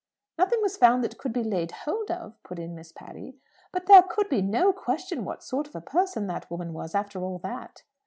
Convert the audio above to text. "Nothing was found that could be laid hold of," put in Miss Patty. "But there could be no question what sort of a person that woman was after all that!"